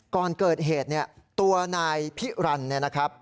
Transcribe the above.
ก่อนเกิดเหตุเนี่ยตัวนายพิรันเนี่ยนะครับ